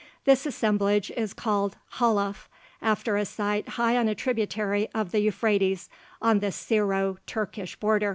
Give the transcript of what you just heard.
This assemblage is called Halaf, after a site high on a tributary of the Euphrates, on the Syro Turkish border.